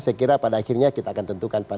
saya kira pada akhirnya kita akan tentukan